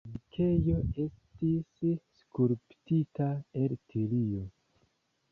La predikejo estis skulptita el tilio.